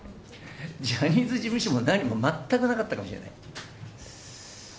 ジャニーズ事務所も何も全くなかったかもしれない。